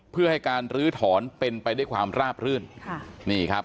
เพื่อให้การลื้อถอนเป็นไปด้วยความราบรื่นค่ะนี่ครับ